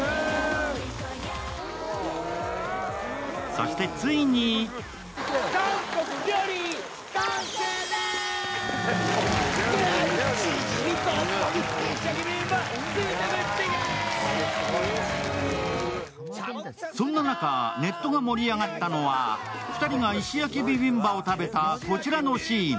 そして、ついにそんな中、ネットが盛り上がったのは２人が石焼ビビンバを食べたこちらのシーン。